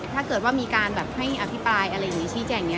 ถ้าเกิดว่ามีการแบบให้อภิปรายอะไรอย่างนี้ชี้แจงอย่างนี้